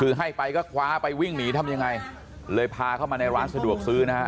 คือให้ไปก็คว้าไปวิ่งหนีทำยังไงเลยพาเข้ามาในร้านสะดวกซื้อนะฮะ